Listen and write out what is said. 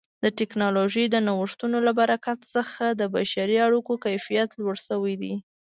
د ټکنالوژۍ د نوښتونو له برکت څخه د بشري اړیکو کیفیت لوړ شوی دی.